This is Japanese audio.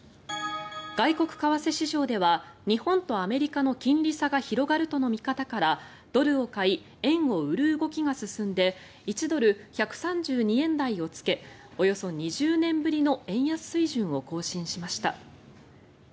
外国為替市場では日本とアメリカの金利差が広がるとの見方からドルを買い円を売る動きが進んで１ドル＝１３２円台をつけおよそ２０年ぶりの円安水準を更新しました。